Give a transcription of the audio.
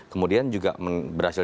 kemudian juga berhasil